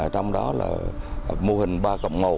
trong đó là mô hình ba cộng một